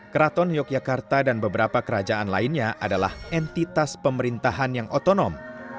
keraton yogyakarta dan beberapa kerajaan lainnya adalah entitas pemerintahan yang otonom